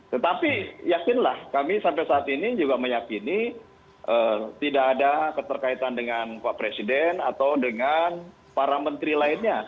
tetapi yakinlah kami sampai saat ini juga meyakini tidak ada keterkaitan dengan pak presiden atau dengan para menteri lainnya